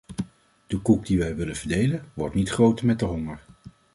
De koek die wij willen verdelen, wordt niet groter met de honger.